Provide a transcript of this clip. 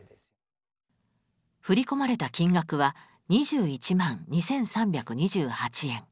振り込まれた金額は２１万２，３２８円。